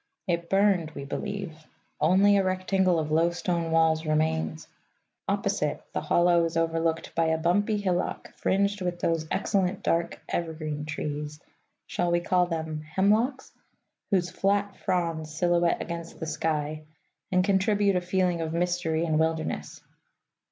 It burned, we believe: only a rectangle of low stone walls remains. Opposite, the hollow is overlooked by a bumpy hillock fringed with those excellent dark evergreen trees shall we call them hemlocks? whose flat fronds silhouette against the sky and contribute a feeling of mystery and wilderness.